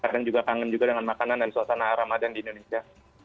dan juga kangen juga dengan makanan dan suasana ramadan di indonesia